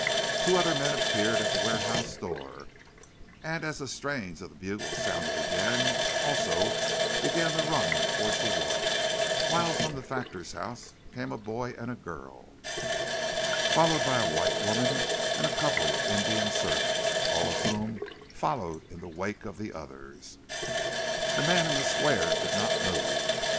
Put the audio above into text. Two other men appeared at the warehouse door, and as the strains of the bugle sounded again, also began to run towards the wharf, whilst from the factor's house came a boy and girl, followed by a white woman and a couple of Indian servants, all of whom followed in the wake of the others. The man in the Square did not move.